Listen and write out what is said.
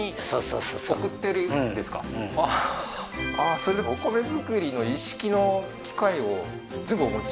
うんああーそれでお米作りの一式の機械を全部お持ち？